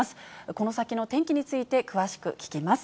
この先の天気について、詳しく聞きます。